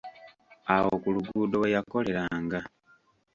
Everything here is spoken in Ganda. Awo ku luguudo we yakoleranga.